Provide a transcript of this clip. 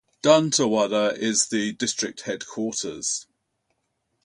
Dantewada is the district headquarters.